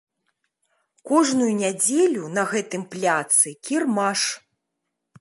Кожную нядзелю на гэтым пляцы кірмаш.